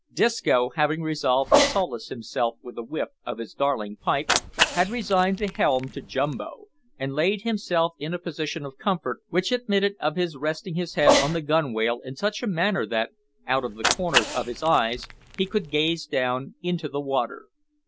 Disco, having resolved to solace himself with a whiff of his darling pipe, had resigned "the helm" to Jumbo, and laid himself in a position of comfort which admitted of his resting his head on the gunwale in such a manner that, out of the corners of his eyes, he could gaze down into the water.